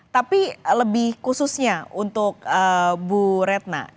tapi lebih khususnya untuk bu retna